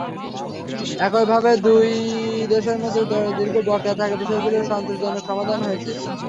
একইভাবে দুই দেশের মধ্যে দীর্ঘ বকেয়া থাকা বিষয়গুলোরও সন্তোষজনক সমাধান হয়েছে।